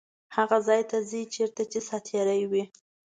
هغه ځای ته ځي چیرته چې ساعتېرۍ وي.